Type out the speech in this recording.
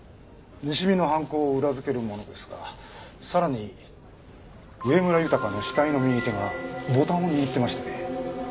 西見の犯行を裏付けるものですがさらに上村浩の死体の右手がボタンを握ってましてね。